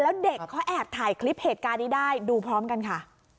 แล้วเด็กเขาแอบถ่ายคลิปเหตุการณ์นี้ได้ดูพร้อมกันค่ะ